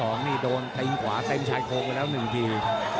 สองนี่โดนเต็มขวาเต็มชายโค้งกันแล้วหนึ่งที